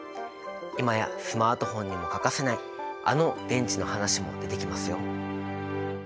今やスマートフォンにも欠かせないあの電池の話も出てきますよ！